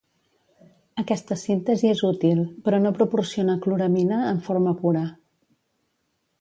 Aquesta síntesi és útil però no proporciona cloramina en forma pura.